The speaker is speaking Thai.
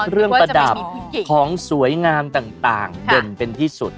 ประดับของสวยงามต่างเด่นเป็นที่สุด